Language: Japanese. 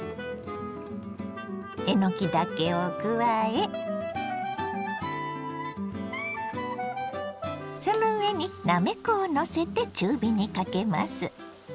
えのきだけを加えその上になめこをのせて中火にかけます。